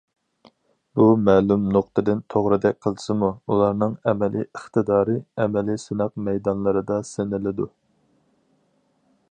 بۇ مەلۇم نۇقتىدىن توغرىدەك قىلسىمۇ، ئۇلارنىڭ ئەمەلىي ئىقتىدارى ئەمەلىي سىناق مەيدانلىرىدا سىنىلىدۇ.